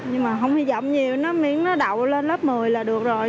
nhưng mà không hy vọng nhiều miếng nó đậu lên lớp một mươi là được rồi